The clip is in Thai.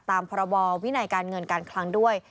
ตามพรบวินัยการเงินการคลังด้วย